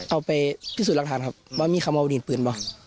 เอาไปที่สุดรักฐานครับว่ามีคำว่าว่าดินปืนหรือเปล่า